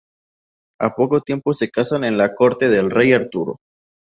Al poco tiempo se casan en la corte del rey Arturo.